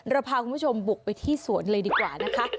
เราพาคุณผู้ชมบุกไปที่สวนเลยดีกว่านะคะ